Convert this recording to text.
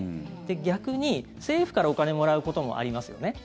逆に、政府からお金もらうこともありますよね。